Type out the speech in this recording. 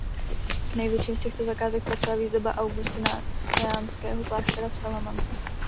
K největším z těchto zakázek patřila výzdoba augustiniánského kláštera v Salamance.